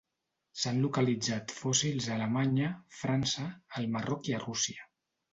S'han localitzat fòssils a Alemanya, França, al Marroc i a Rússia.